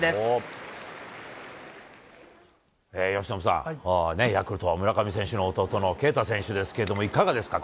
由伸さん、ヤクルト、村上選手の弟の慶太選手ですけれども、いかがですか？